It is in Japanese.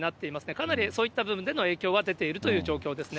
かなりそういった部分での影響は出ているという状況ですね。